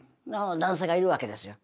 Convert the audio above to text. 男性がいるわけですよ。